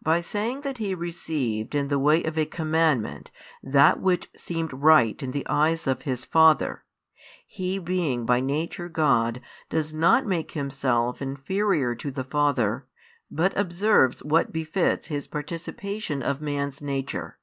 By saying that He received in the way of a commandment that which seemed right in the eyes of His Father, He being by Nature God does not make Himself inferior to the Father, but observes what befits His participation of man's nature.